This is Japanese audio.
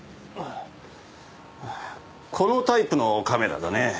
このタイプのカメラだね。